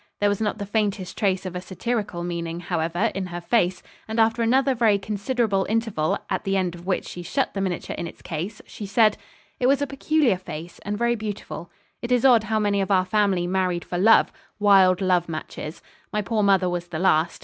There was not the faintest trace of a satirical meaning, however, in her face; and after another very considerable interval, at the end of which she shut the miniature in its case, she said, 'It was a peculiar face, and very beautiful. It is odd how many of our family married for love wild love matches. My poor mother was the last.